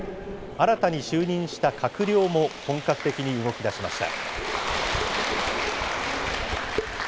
新たに就任した閣僚も、本格的に動きだしました。